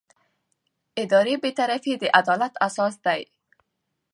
اداري بېطرفي د عدالت اساس دی.